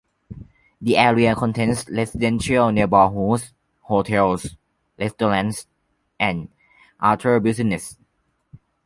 The area contains residential neighborhoods, hotels, restaurants, and other businesses.